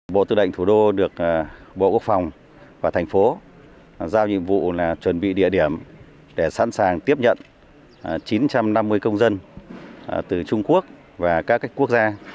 bộ tư lệnh thủ đô được bộ quốc phòng và thành phố giao nhiệm vụ là chuẩn bị địa điểm để sẵn sàng tiếp nhận chín trăm năm mươi công dân từ trung quốc và các quốc gia